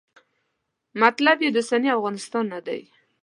مطلب یې د اوسني افغانستان نه و.